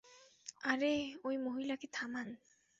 আরে, ওই মহিলাকে থামান।